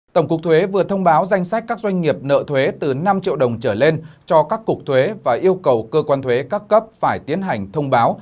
tổng cục thuế vừa thông báo danh sách các doanh nghiệp nợ thuế từ năm triệu đồng trở lên cho các cục thuế và yêu cầu cơ quan thuế các cấp phải tiến hành thông báo